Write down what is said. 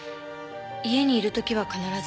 家にいる時は必ず。